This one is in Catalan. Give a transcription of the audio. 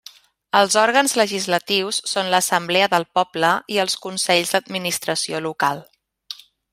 Els òrgans legislatius són l'Assemblea del Poble i els consells d'Administració Local.